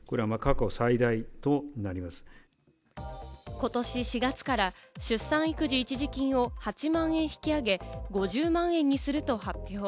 今年４月から出産育児一時金を８万円引き上げ、５０万円にすると発表。